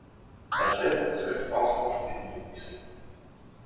Dasselbe trifft auch auf Pinyin zu.